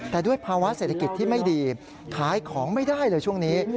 แต่ด้วยภาวะเศรษฐกิจที่ไม่ดีขายของไม่ได้เลยช่วงนี้